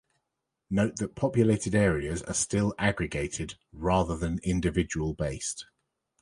Note that populated areas are still aggregated rather than individual based.